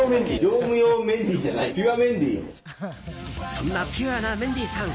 そんなピュアなメンディーさん。